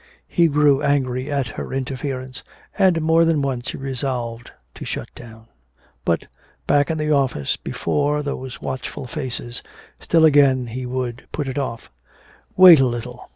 He grew angry at her interference, and more than once he resolved to shut down. But back in the office, before those watchful faces, still again he would put it off. "Wait a little.